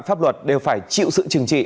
pháp luật đều phải chịu sự chừng trị